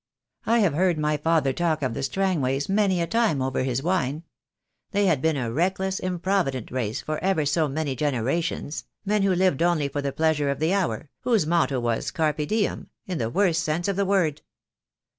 I have heard my father talk of the Strangways many a time over his wine. They had been a reckless, improvident race for ever so many generations, men who lived only for the pleasure of the hour, whose motto was "Carpe diem" in the worst sense of the words.